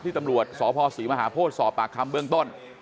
ตำรวจสพศรีมหาโพธิสอบปากคำเบื้องต้น